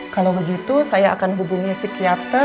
kalau begitu saya akan hubungi psikiater